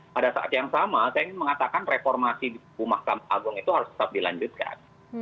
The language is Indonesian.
pada saat yang sama saya ingin mengatakan reformasi di mahkamah agung itu harus tetap dilanjutkan